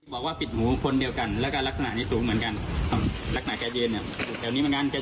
บอกว่าปิดหูคนเดียวกันแล้วก็ลักษณะนี้สูงเหมือนกัน